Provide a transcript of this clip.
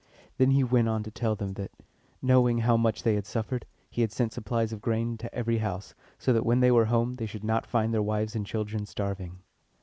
Then he went on to tell them, that, knowing how much they had suffered, he had sent supplies of grain to every house, so that when they went home they should not find their wives and children starving.